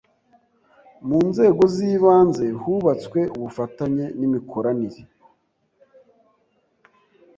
Mu nzego z’ibanze hubatswe ubufatanye n’imikoranire